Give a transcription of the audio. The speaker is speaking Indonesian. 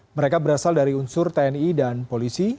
mereka berasal dari unsur tni dan polisi